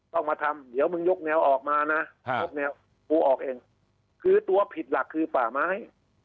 ต้องมาทำเดี๋ยวมึงยกแนวออกมานะยกแนวกูออกเองคือตัวผิดหลักคือป่าไม้